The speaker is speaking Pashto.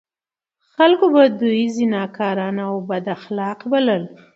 خلکو به دوی زناکار او بد اخلاق بلل.